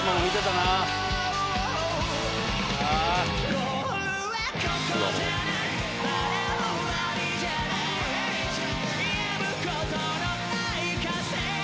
「ゴールはここじゃないまだ終わりじゃない」「止むことのない歓声」